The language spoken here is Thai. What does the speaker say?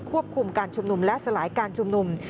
ควบคุมการชุมนุมและสลายการชุมนุม